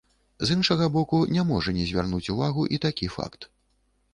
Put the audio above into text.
З іншага боку, не можа не звярнуць увагу і такі факт.